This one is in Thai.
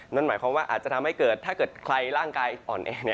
นั่นหมายความว่าอาจจะทำให้เกิดถ้าเกิดใครร่างกายอ่อนแอ